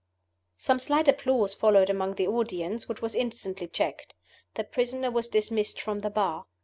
Some slight applause followed among the audience, which was instantly checked. The prisoner was dismissed from the Bar.